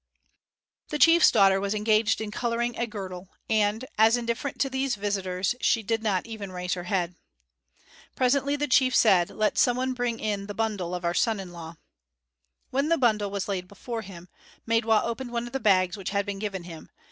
The chief's daughter was engaged in coloring a girdle, and, as indifferent to these visitors, she did not even raise her head. Presently the chief said, "Let some one bring in the bundle of our son in law." When the bundle was laid before him, Maidwa opened one of the bags which had been given to him.